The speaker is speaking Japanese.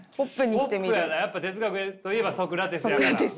やっぱ哲学といえばソクラテスやから。